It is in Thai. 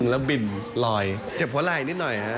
แล้วบินลอยเจ็บหัวไหล่นิดหน่อยฮะ